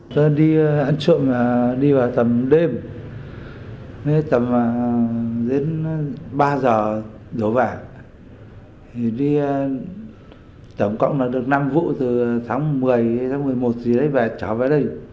thì đi tổng cộng là được năm vụ từ tháng một mươi hay tháng một mươi một thì lấy về trả về đây